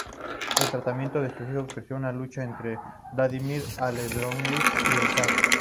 El tratamiento de su hijo creó una lucha entre Vladímir Aleksándrovich y el zar.